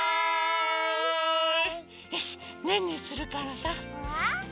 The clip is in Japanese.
よしねんねするからさ。